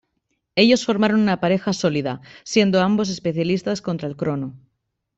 Ellos formaron una pareja sólida, siendo ambos especialistas contra el crono.